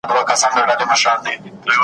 پر شنه ګودر په سره پېزوان کي زنګېدلی نه یم .